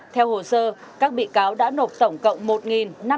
theo hồ sơ các bị cáo đã nộp tổng cộng một